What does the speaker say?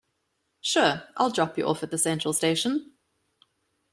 Sure, I'll drop you off at the central station.